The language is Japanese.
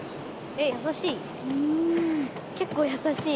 え優しい。